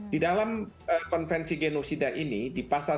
di dalam konvensi genosida ini di pasal satu